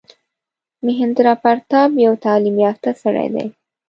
مهیندراپراتاپ یو تعلیم یافته سړی دی.